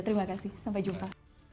terima kasih sampai jumpa